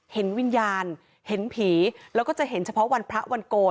เห็นวิญญาณเห็นผีแล้วก็จะเห็นเฉพาะวันพระวันโกน